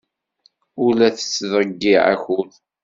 Ur la tettḍeyyiɛeḍ akud.